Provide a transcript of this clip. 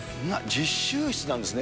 実習室なんですね。